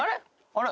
あれ？